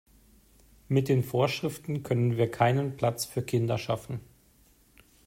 Mit den Vorschriften können wir keinen Platz für Kinder schaffen.